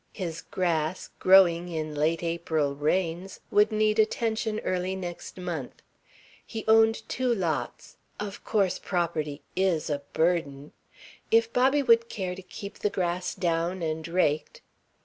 His grass, growing in late April rains, would need attention early next month ... he owned two lots "of course property is a burden." If Bobby would care to keep the grass down and raked